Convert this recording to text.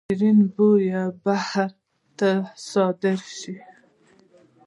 شیرین بویه بهر ته صادریږي